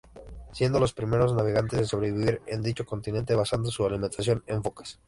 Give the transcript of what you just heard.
Siendo los primeros navegantes en sobrevivir en dicho continente, basando su alimentación en focas.